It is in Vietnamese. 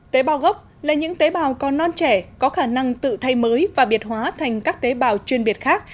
tế bào gốc là những tế bào còn non trẻ có khả năng tự thay mới và biệt hóa thành các tế bào chuyên biệt khác